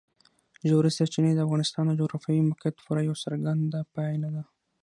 ژورې سرچینې د افغانستان د جغرافیایي موقیعت پوره یوه څرګنده پایله ده.